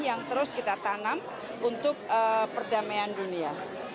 yang terus kita tanam untuk perdamaian dunia